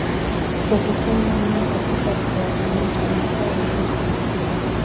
kukutana nao katika kuwakamata inakuwa vigumu sana